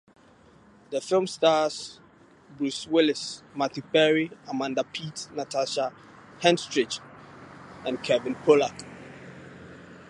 The film stars Bruce Willis, Matthew Perry, Amanda Peet, Natasha Henstridge, and Kevin Pollak.